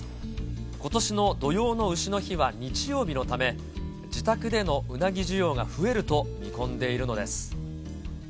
ことしの土用のうしの日は日曜日のため、自宅でのうなぎ需要が増えると見込んでいるのです。